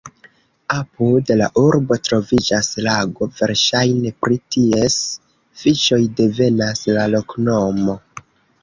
Apud la urbo troviĝas lago, verŝajne pri ties fiŝoj devenas la loknomo.